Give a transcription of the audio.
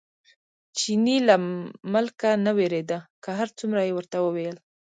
چیني له ملکه نه وېرېده، که هر څومره یې ورته وویل.